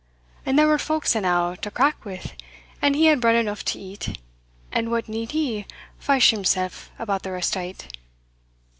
And there were folk enow to crack wi', and he had bread eneugh to eat, and what need he fash himsell about the rest o't?"